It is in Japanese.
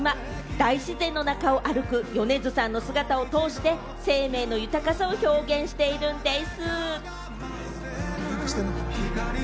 大自然の中を歩く米津さんの姿を通して、生命の豊かさを表現しているんでぃす。